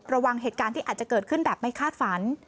ระวังเหตุการณ์ที่อาจจะเกิดขึ้นแบบไม่คาดฝัน